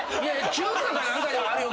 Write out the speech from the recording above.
九州か何かではあるよ